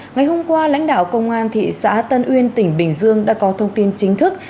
ngày hôm qua lãnh đạo công an thị xã tân uyên tỉnh bình dương đã có thông tin chính thức